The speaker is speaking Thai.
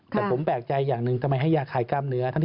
แต่ผมแปลกใจอย่างหนึ่งทำไมให้ยาคลายกล้ามเนื้อ